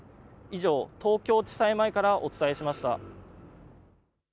以上、東京地裁前からお伝えしました。